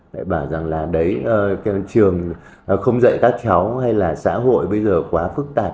để bảo rằng là đấy trường không dạy các cháu hay là xã hội bây giờ quá phức tạp